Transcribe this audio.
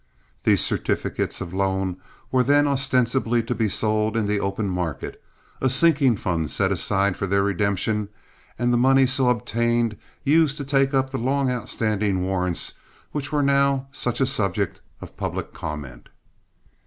These certificates of loan were then ostensibly to be sold in the open market, a sinking fund set aside for their redemption, and the money so obtained used to take up the long outstanding warrants which were now such a subject of public comment.